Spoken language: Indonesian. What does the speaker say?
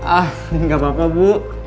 ah ini gak apa apa bu